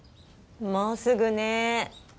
もうすぐね。